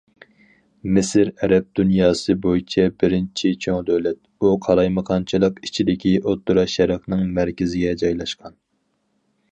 مىسىر ئەرەب دۇنياسى بويىچە بىرىنچى چوڭ دۆلەت، ئۇ قالايمىقانچىلىق ئىچىدىكى ئوتتۇرا شەرقنىڭ مەركىزىگە جايلاشقان.